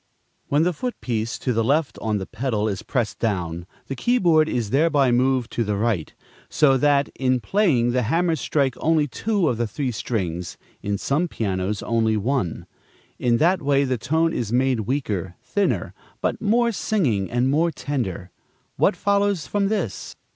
When the foot piece to the left on the piano is pressed down, the key board is thereby moved to the right; so that, in playing, the hammers strike only two of the three strings, in some pianos only one. In that way the tone is made weaker, thinner, but more singing and more tender. What follows from this?